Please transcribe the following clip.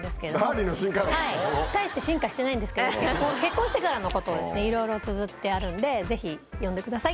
はい大して進化してないんですけど結婚してからのことをいろいろつづってあるんでぜひ読んでください。